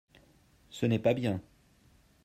ce n'est pas bien.